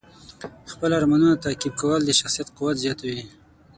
خپل ارمانونه تعقیب کول د شخصیت قوت زیاتوي.